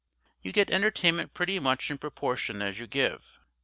You get entertainment pretty much in proportion as you give.